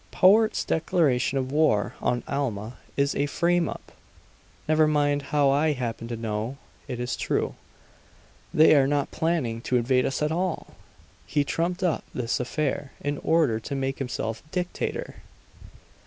"Powart's declaration of war on Alma is a frame up! Never mind how I happen to know; it is true; they are not planning to invade us at all! He trumped up this affair in order to make himself dictator!"